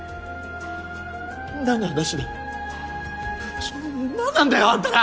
何の話だ何なんだよあんたら！？